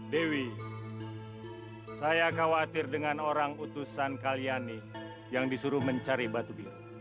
dewi saya khawatir dengan orang utusan kaliani yang disuruh mencari batu biru